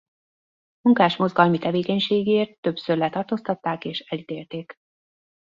Munkásmozgalmi tevékenységgért többször letartóztatták és elítélték.